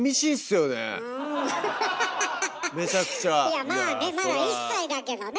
いやまあねまだ１歳だけどね？